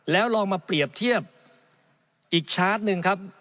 แล้วลองมาเปรียบเทียบอีกชาร์จหนึ่งครับ